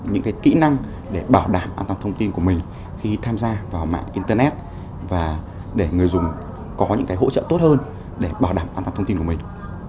những kỹ năng để bảo đảm an toàn thông tin của mình khi tham gia vào mạng internet và để người dùng có những hỗ trợ tốt hơn để bảo đảm an toàn thông tin của mình